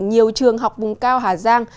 nhiều trường học vùng cao hà giang